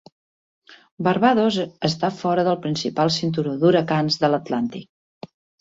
Barbados està fora del principal cinturó d'huracans de l'Atlàntic.